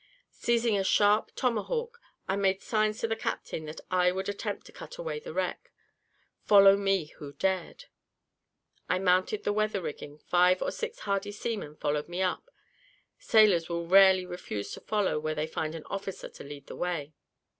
Seizing a sharp tomahawk, I made signs to the captain that I would attempt to cut away the wreck, follow me who dared. I mounted the weather rigging; five or six hardy seamen followed me; sailors will rarely refuse to follow where they find an officer to lead the way.